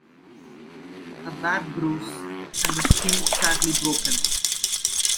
A bad bruise, and the skin sadly broken.